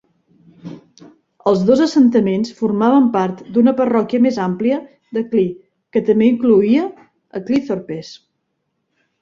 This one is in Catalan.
Els dos assentaments formaven part d'una parròquia més àmplia de Clee que també incloïa a Cleethorpes.